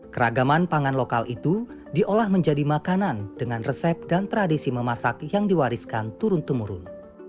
keragaman pangan lokal itu diolah menjadi makanan dengan resep dan tradisi memasak yang diwariskan turun temurun